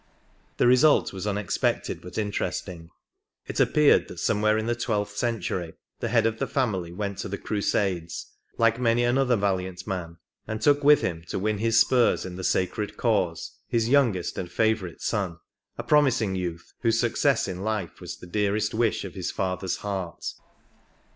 The result was unexpected but interesting. It appeared that some where in the twelfth century the head of the family went to the crusades, like many another valiant man, and took with him to win his spurs in the sacred cause his youngest and favourite son, a promising youth whose success in life was the dearest wish of his father's heart.